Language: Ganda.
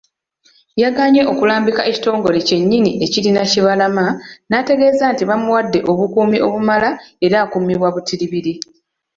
Yagaanye okulambika ekitongole kyennyini ekirina Kibalama n'ategeeza nti bamuwadde obukuumi obumala era akuumibwa butiribiri.